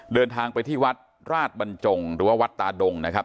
เดินทางไปที่วัดราชบรรจงหรือว่าวัดตาดงนะครับ